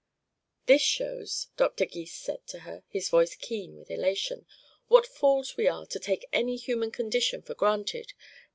"This shows," Dr. Gys said to her, his voice keen with elation, "what fools we are to take any human condition for granted.